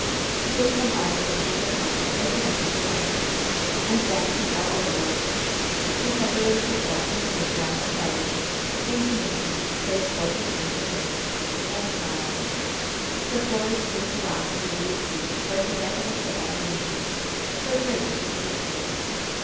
He gave them all a general good morning as he entered the room. And then he saw Odalite! She separated herself from the group around the fire, came to meet him, placed both her hands in his, and smiled! The floors seemed to rock under Le's feet like the deck of a ship on the ocean, so great was his emotion.